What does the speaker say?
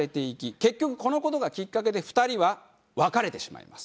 結局この事がきっかけで２人は別れてしまいます。